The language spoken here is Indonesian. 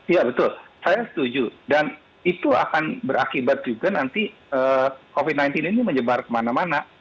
ya betul saya setuju dan itu akan berakibat juga nanti covid sembilan belas ini menyebar kemana mana